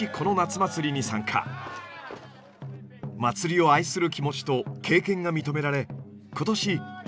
祭りを愛する気持ちと経験が認められ今年副団長に抜てきされました。